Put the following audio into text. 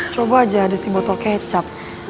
coba aja di si botol kecap